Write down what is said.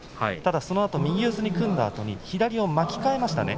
そのあと右四つに組んだあと左を巻き替えましたね